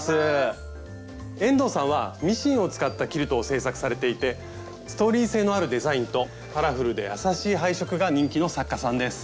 遠藤さんはミシンを使ったキルトを制作されていてストーリー性のあるデザインとカラフルで優しい配色が人気の作家さんです。